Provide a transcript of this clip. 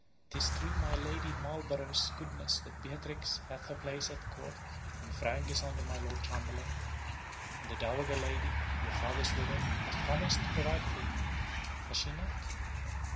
'Tis through my Lady Marlborough's goodness that Beatrix hath her place at Court; and Frank is under my Lord Chamberlain. And the dowager lady, your father's widow, has promised to provide for you has she not?"